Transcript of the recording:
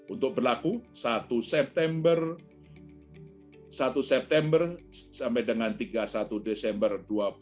untuk berlaku satu september tiga puluh satu desember dua ribu dua puluh satu